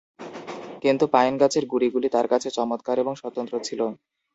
কিন্তু পাইন গাছের গুঁড়িগুলো তার কাছে চমৎকার এবং স্বতন্ত্র ছিল।